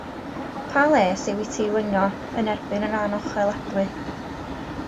Pa les yw i ti wingo yn erbyn yr anocheladwy?